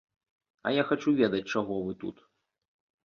А я хачу ведаць, чаго вы тут.